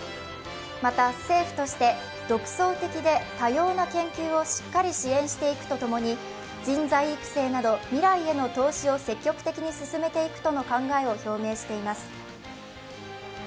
また政府として独創的で多様な研究をしっかり支援していくとともに、人材育成など未来への投資を積極的に進めていくとの考えを表明しています。